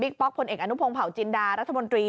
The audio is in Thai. ป๊อกพลเอกอนุพงศ์เผาจินดารัฐมนตรี